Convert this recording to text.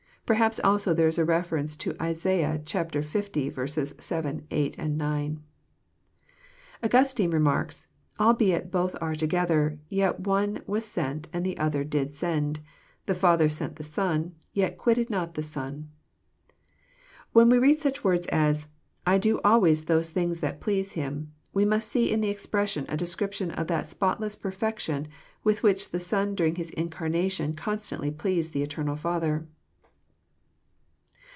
Perhaps also there is a ref erence to IsaL 1. 7, 8, 9. Augnstine remarks :'* Albeit both are together, yet one was sent, and the other did send. The Father sent the Son, yet quitted not the Son." When we read such words as << I do always those things that please Him," we must see in the expression a description of that spotless perfection with which the Son during His incarna tion constantly pleased the eternal Father.